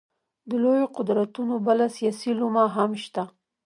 د لویو قدرتونو بله سیاسي لومه هم شته.